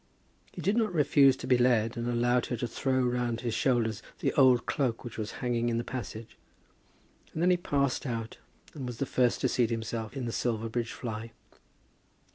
He did not refuse to be led, and allowed her to throw round his shoulders the old cloak which was hanging in the passage, and then he passed out, and was the first to seat himself in the Silverbridge fly.